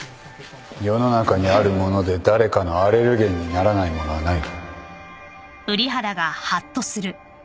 世の中にあるもので誰かのアレルゲンにならないものはない